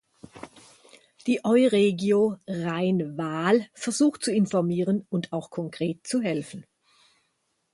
Die Euregio Rhein-Waal versucht zu informieren und auch konkret zu helfen.